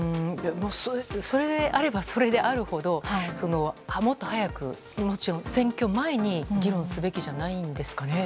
それであれば、それであるほどもっと早くもちろん選挙前に議論すべきじゃないですかね。